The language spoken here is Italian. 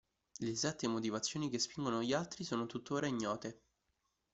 Le esatte motivazioni che spingono gli Altri sono tuttora ignote.